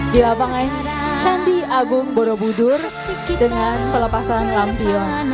di lapangan candi agung borobudur dengan pelepasan lampion